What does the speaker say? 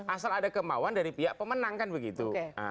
asal ada kemauan dari pihak pemenang kan begitu